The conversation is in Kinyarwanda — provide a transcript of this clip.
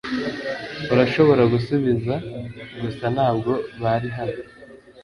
Urashobora gusubiza gusa Ntabwo bari hano